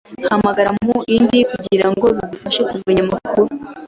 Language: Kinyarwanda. kuahamagara muindi kugirango igufashe kumenya amakuru